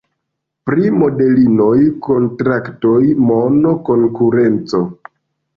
Pri modelinoj, kontraktoj, mono, konkurenco.